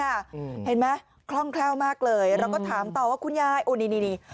เห็นไหมคล่องแคล่วมากเลยเราก็ถามต่อว่าคุณยายโอ้นี่นี่